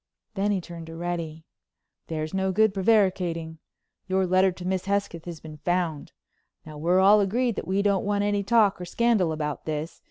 Then he turned to Reddy: "There's no good prevaricating. Your letter to Miss Hesketh has been found. Now we're all agreed that we don't want any talk or scandal about this.